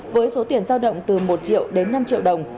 với số tiền giao động từ một triệu đến năm triệu đồng